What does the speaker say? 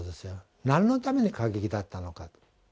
何のために過激だったのか。